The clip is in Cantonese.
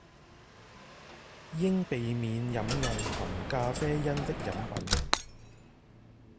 應避免飲用含咖啡因的飲品